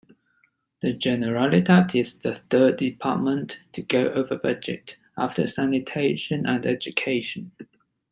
The Generalitat is the third department to go over budget, after Sanitation and Education.